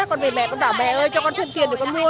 con về mẹ con bảo mẹ ơi cho con thêm tiền để con mua nhé